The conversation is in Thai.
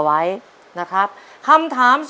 ปีหน้าหนูต้อง๖ขวบให้ได้นะลูก